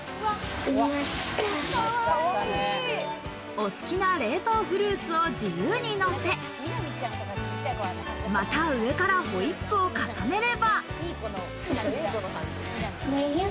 お好きな冷凍フルーツを自由にのせ、また上からホイップを重ねれば。